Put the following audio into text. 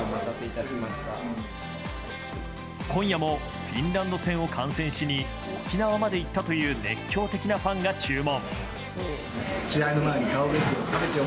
今夜もフィンランド戦を観戦しに沖縄まで行ったという熱狂的なファンが注文。